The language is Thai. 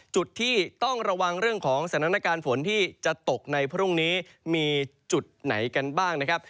จุดที่ต้องระวังเรื่องของสถานการณ์ฝนที่จะตกในพรุ่งนี้มีจุดไหนกันบ้างนะครับ